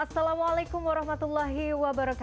assalamualaikum wr wb